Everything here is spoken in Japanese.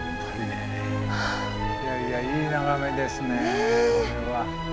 いやいやいい眺めですねこれは。